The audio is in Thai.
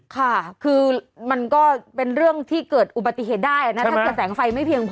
ค่ะคือมันก็เป็นเรื่องที่เกิดอุบัติเหตุได้นะถ้าเกิดแสงไฟไม่เพียงพอ